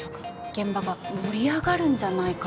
現場が盛り上がるんじゃないかと。